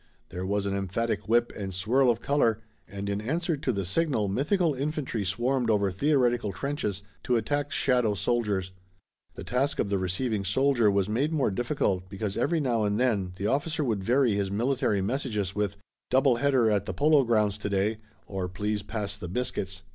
There was an emphatic whip and swirl of color, and in answer to the signal mythical infantry swarmed over theoretical trenches to attack shadow soldiers. The task of the receiving soldier was made more difficult because every now and then the officer would vary his military messages with "Double header at the Polo Grounds today" or "Please pass the biscuits."